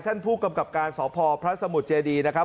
ท่านผู้กำกับการสพพระสมุทรเจดีนะครับ